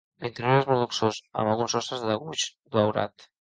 L'interior és molt luxós, amb alguns sostres de guix daurat.